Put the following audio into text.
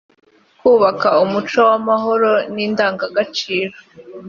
kubaka umuco w amahoro n indangagaciro